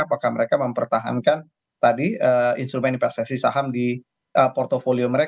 apakah mereka mempertahankan tadi instrument dipersesasi saham di periode maret